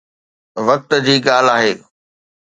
وقت جي ڳالهه آهي